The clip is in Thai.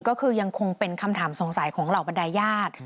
ก็คือยังคงเป็นคำถามสงสัยของเหล่าบรรดายญาติ